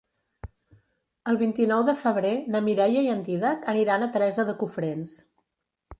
El vint-i-nou de febrer na Mireia i en Dídac aniran a Teresa de Cofrents.